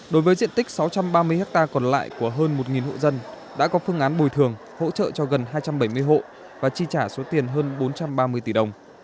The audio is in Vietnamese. đối với diện tích sáu trăm ba mươi hectare còn lại của hơn một hộ dân đã có phương án bồi thường hỗ trợ cho gần hai trăm bảy mươi hộ và chi trả số tiền hơn bốn trăm ba mươi tỷ đồng